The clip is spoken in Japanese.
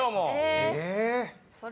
え。